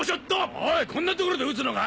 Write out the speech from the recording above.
おいこんな所で撃つのか？